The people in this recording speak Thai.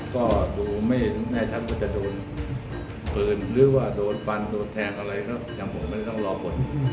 ก็ดูไม่เห็นแน่ชัดว่าจะโดนปืนหรือว่าโดนฟันโดนแทงอะไรก็ยังผมไม่ต้องรอผล